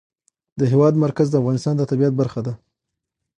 د هېواد مرکز د افغانستان د طبیعت برخه ده.